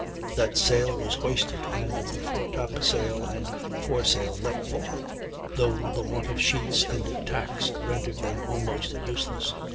That sail was hoisted, and the foretop sail and fore sail let fall, though the want of sheets and tacks rendered them almost useless.